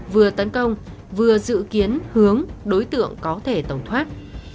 vừa tấn công vừa dự kiến hướng đối tượng có thể tổng thoát